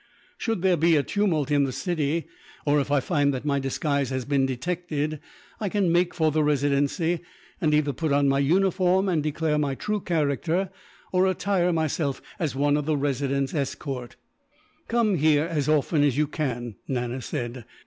Should there be a tumult in the city, or if I find that my disguise has been detected, I can make for the Residency; and either put on my uniform and declare my true character, or attire myself as one of the Resident's escort." "Come here as often as you can," Nana said.